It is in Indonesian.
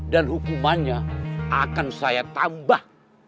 dan hukumannya akan saya tambah